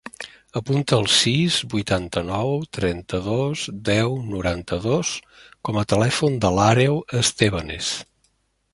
Apunta el sis, vuitanta-nou, trenta-dos, deu, noranta-dos com a telèfon de l'Àreu Estebanez.